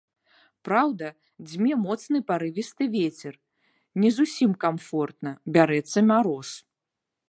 Праўда, дзьме моцны парывісты вецер, не зусім камфортна, бярэцца мароз.